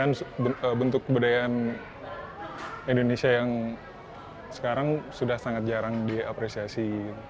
karena ini kan bentuk keberdayaan indonesia yang sekarang sudah sangat jarang diapresiasi